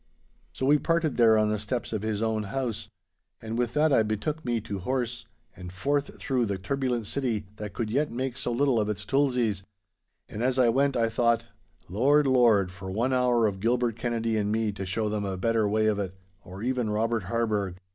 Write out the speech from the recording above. So we parted there on the steps of his own house. And with that I betook me to horse, and forth through the turbulent city that could yet make so little of its tulzies; and as I went I thought, 'Lord, Lord, for one hour of Gilbert Kennedy and me to show them a better way of it; or even Robert Harburgh.